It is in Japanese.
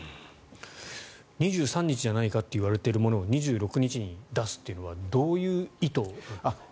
２３日じゃないかといわれているものが２６日に出すっていうのはどういう意図なんでしょうか。